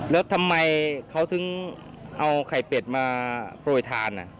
แล้วทำไมเขาถึงเอาไข่เป็ดมาโปรยทาน